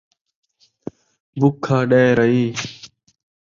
بکھا ݙیݨ ایں